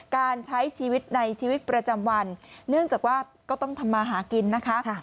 การใช้ชีวิตในชีวิตประจำวันเนื่องจากว่าก็ต้องทำมาหากินนะคะ